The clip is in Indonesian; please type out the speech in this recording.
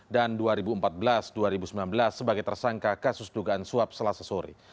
dan dua ribu empat belas dua ribu sembilan belas sebagai tersangka kasus dugaan suap selasa sore